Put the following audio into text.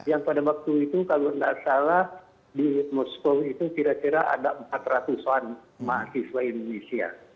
jadi pada waktu itu kalau tidak salah di moskow itu kira kira ada empat ratus an mahasiswa indonesia